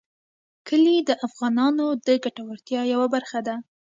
کلي د افغانانو د ګټورتیا یوه برخه ده.